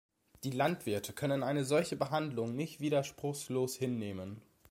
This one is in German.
Die Landwirte können eine solche Behandlung nicht widerspruchslos hinnehmen.